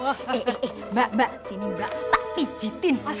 eh eh mbak mbak sini mbak pak pijitin